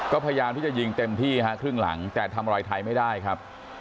ก็พยายามที่จะยิงเต็มที่ฮะครึ่งหลังแต่ทำอะไรไทยไม่ได้ครับ